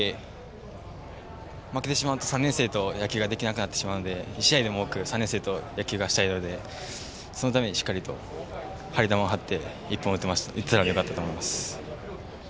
負けてしまうと、３年生と野球ができなくなってしまうので１試合でも多く３年生と野球がしたいので張り球を張って１本打てたのでよかったと思います。